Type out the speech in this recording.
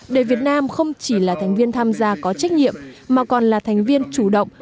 để việt nam không chỉ là thành viên tham gia có trách nhiệm mà còn là thành viên chủ động